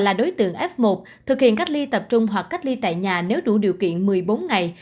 là đối tượng f một thực hiện cách ly tập trung hoặc cách ly tại nhà nếu đủ điều kiện một mươi bốn ngày